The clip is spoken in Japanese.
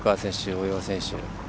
大岩選手。